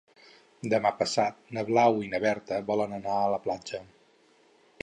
Demà passat na Blau i na Berta volen anar a la platja.